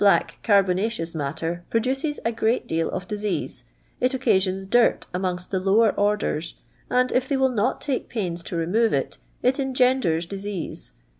ick carbonaceous matter pro duces a great deal of disease; it occasions dirt amongst the lower orders, and, if they will not take pains to remove it, it engenders disease.